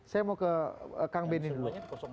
saya mau ke kang benny dulu